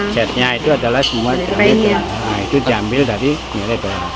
catnya itu adalah semua jambil dari nilai dolar